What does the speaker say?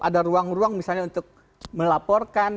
ada ruang ruang misalnya untuk melaporkan